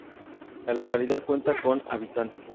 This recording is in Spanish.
La localidad cuenta con hab.